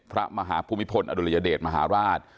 พระมหาภูมิพลอดุลยเดชมหาราช